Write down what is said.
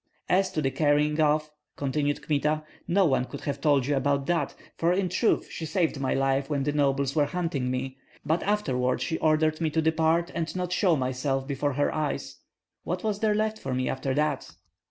"As to the carrying off," continued Kmita, "no one could have told you about that; for in truth she saved my life when the nobles were hunting me, but afterward she ordered me to depart and not show myself before her eyes. What was there left for me after that?"